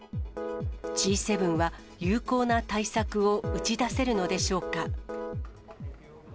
Ｇ７は有効な対策を打ち出せるのでしょうか。